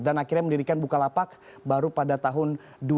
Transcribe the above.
dan akhirnya mendirikan bukalapak baru pada tahun dua ribu sepuluh